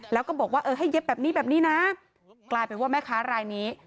แล้วก็บอกว่าเออให้เย็บแบบนี้แบบนี้นะกลายเป็นว่าแม่ค้ารายนี้